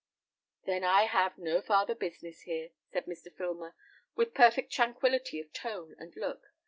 "Then I have no farther business here," said Mr. Filmer, with perfect tranquillity of tone and look.